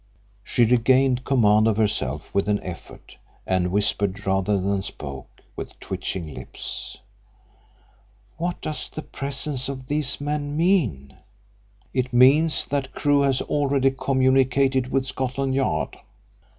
She regained command of herself with an effort, and whispered, rather than spoke, with twitching lips; "What does the presence of these men mean?" "It means that Crewe has already communicated with Scotland Yard."